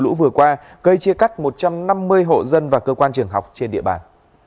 tuyến sạt lở có ảnh hưởng của đợt mưa lũ vừa qua gây chia cắt một trăm năm mươi hộ dân và cơ quan trưởng học trên địa bàn